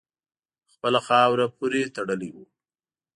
خپله خاوره پوري تړلی وو.